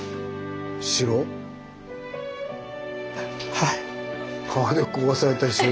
はい。